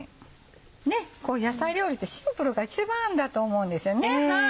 野菜料理ってシンプルが一番だと思うんですよね。